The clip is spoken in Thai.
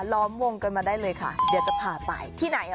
ล้อมวงกันมาได้เลยค่ะเดี๋ยวจะพาไปที่ไหน